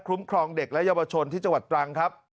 คุ้มครองเด็กและยาวประชนที่จังหวัดตรังค์ครับ